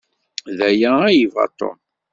D aya ay yebɣa Tom.